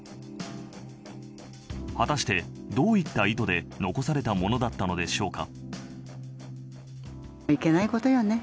果たして、どういった意図で残されたものだったのでしょうか。